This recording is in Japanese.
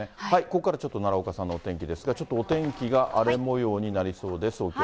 ここからちょっと奈良岡さんのお天気ですが、ちょっとお天気が荒れもようになりそうです。